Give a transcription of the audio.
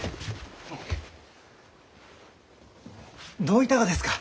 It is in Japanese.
どういたがですか？